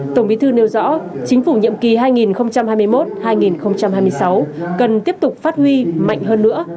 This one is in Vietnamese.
tổng bí thư nêu rõ chính phủ nhiệm kỳ hai nghìn hai mươi một hai nghìn hai mươi sáu cần tiếp tục phát huy mạnh hơn nữa